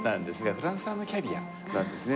フランス産のキャビアなんですね。